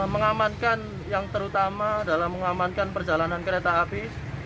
mengamankan yang terutama adalah mengamankan perjalanan kereta api